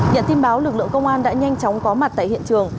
nhận tin báo lực lượng công an đã nhanh chóng có mặt tại hiện trường